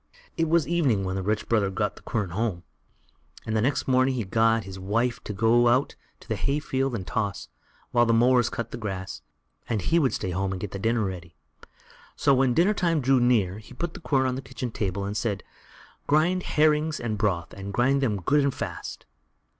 It was evening when the rich brother got the quern home, and the next morning he told his wife to go out into the hay field and toss, while the mowers cut the grass, and he would stay at home and get the dinner ready. So, when dinner time drew near, he put the quern on the kitchen table and said: "Grind herrings and broth, and grind them good and fast."